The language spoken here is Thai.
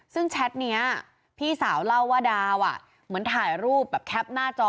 ซึ่งแชทนี้พี่สาวเล่าว่าดาวเหมือนถ่ายรูปแบบแคปหน้าจอ